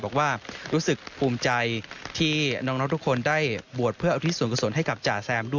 บอกว่ารู้สึกภูมิใจที่น้องทุกคนได้บวชเพื่อเอาที่เซ็นกสลงให้กับจ๋าแซม